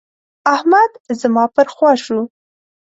احمد زما پر خوا شو.